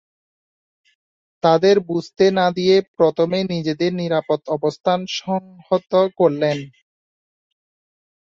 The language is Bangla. তাদের বুঝতে না দিয়ে প্রথমে নিজেদের নিরাপদ অবস্থান সংহত করলেন।